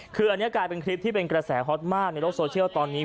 คืออันนี้กลายเป็นคลิปที่เป็นกระแสฮอตมากในโลกโซเชียลตอนนี้